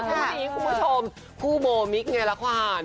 เพราะว่าคุณผู้ชมคู่โบมิกไงละควัน